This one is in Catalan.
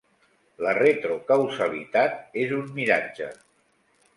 La retrocausalitat és un miratge.